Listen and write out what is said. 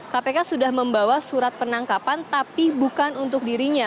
kpk sudah membawa surat penangkapan tapi bukan untuk dirinya